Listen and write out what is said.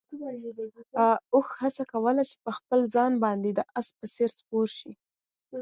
اوښ هڅه کوله چې په خپل ځان باندې د اس په څېر سپور شي.